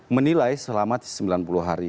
menilai selama sembilan puluh hari